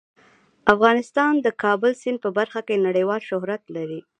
افغانستان د د کابل سیند په برخه کې نړیوال شهرت لري.